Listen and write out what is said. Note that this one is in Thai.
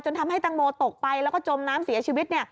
ทำให้ตังโมตกไปแล้วก็จมน้ำเสียชีวิต